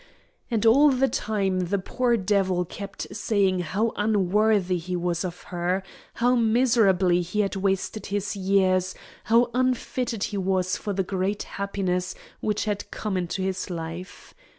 And all the time the poor devil kept saying how unworthy he was of her, how miserably he had wasted his years, how unfitted he was for the great happiness which had come into his life.